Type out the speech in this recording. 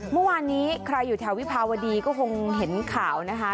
เมื่อวานนี้ใครอยู่แถววิภาวดีก็คงเห็นข่าวนะคะ